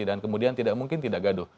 dan kemudian tidak mungkin tidak gaduh